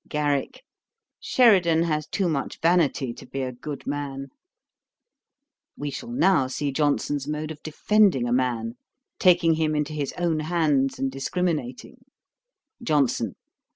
GARRICK. 'Sheridan has too much vanity to be a good man.' We shall now see Johnson's mode of defending a man; taking him into his own hands, and discriminating. JOHNSON.